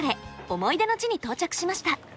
思い出の地に到着しました。